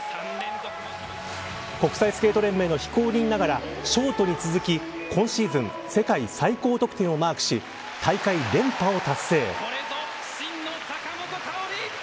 国際スケート連盟の非公認ながらショートに続き、今シーズン世界最高得点をマークし大会連覇を達成。